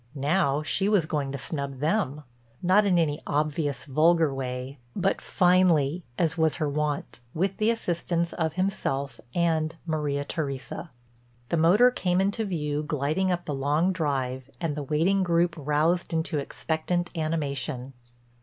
Now she was going to snub them, not in any obvious, vulgar way, but finely as was her wont, with the assistance of himself and Maria Theresa. The motor came into view gliding up the long drive and the waiting group roused into expectant animation.